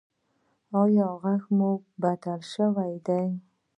ایا غږ مو بدل شوی دی؟